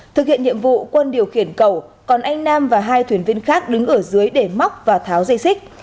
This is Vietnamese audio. thực hiện nhiệm vụ quân điều khiển cầu còn anh nam và hai thuyền viên khác đứng ở dưới để móc và tháo dây xích